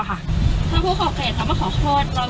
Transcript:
ถ้าผู้ข่าวแก่นเขามาขอโทษ